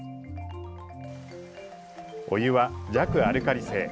お湯は弱アルカリ性。